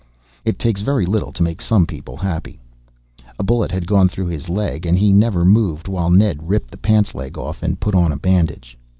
It takes very little to make some people happy. A bullet had gone through his leg and he never moved while Ned ripped the pants leg off and put on a bandage.